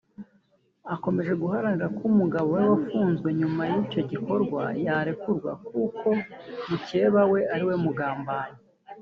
akomeje guharanira ko umugabo we wafunzwe nyuma y’icyo gikorwa yarekurwa kuko mukeba we ariwe mugambanyi